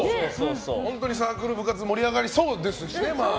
本当にサークルや部活が盛り上がりそうですしね。